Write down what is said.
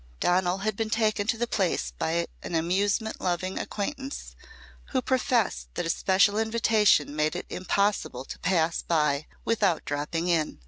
Donal had been taken to the place by an amusement loving acquaintance who professed that a special invitation made it impossible to pass by without dropping in.